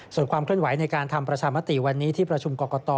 ส่วนความเคลื่อนไหวในการทำประชามติวันนี้ที่ประชุมกรกต